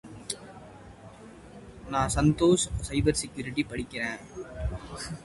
Lucy Mangan gave the series five out of five stars.